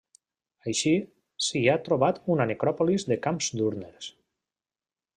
Així, s'hi ha trobat una necròpolis de camps d'urnes.